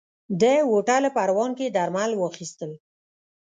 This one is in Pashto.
ده هوټل پروان کې درمل واخيستل.